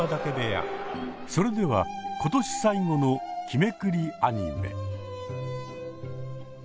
それでは今年最後の日めくりアニメ。